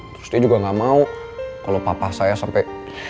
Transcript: terus dia juga gak mau kalau papa saya sampai